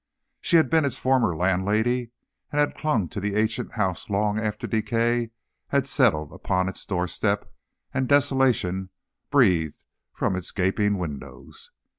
She had been its former landlady, and had clung to the ancient house long after decay had settled upon its doorstep and desolation breathed from its gaping windows.